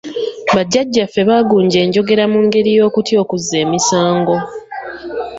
Bajjajjaffe baagunja enjogera mu ngeri y’okutya okuzza emisango.